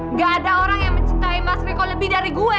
nggak ada orang yang mencintai mas miko lebih dari gue